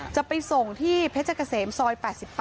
จะไปส่งที่เพชรเกษมซอย๘๘